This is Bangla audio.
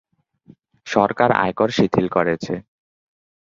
সরকার আয়কর শিথিল করেছে।